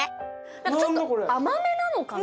ちょっと甘めなのかな？